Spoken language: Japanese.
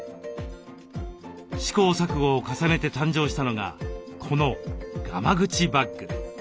試行錯誤を重ねて誕生したのがこのがま口バッグ。